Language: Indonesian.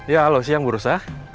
ya halo siang burusan